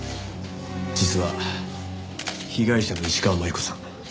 実は被害者の石川真悠子さん